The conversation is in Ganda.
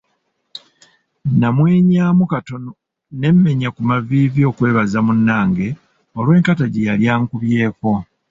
Namwenyaamu katono ne mmenya ku maviivi okwebaza munnange olw'enkata gye yali ankubyeko.